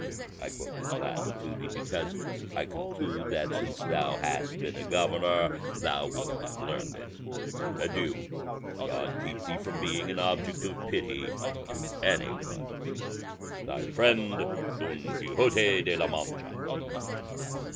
I quote this Latin to thee because I conclude that since thou hast been a governor thou wilt have learned it. Adieu; God keep thee from being an object of pity to any one. "Thy friend "DON QUIXOTE OF LA MANCHA."